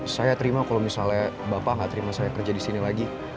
saya terima kalau misalnya bapak nggak terima saya kerja di sini lagi